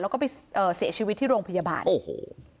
แล้วก็ไปเอ่อเสียชีวิตที่โรงพยาบาลโอ้โห